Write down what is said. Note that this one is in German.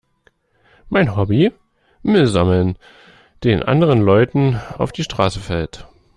Mein Hobby? Müll sammeln, den anderen Leuten auf die Straße fällt.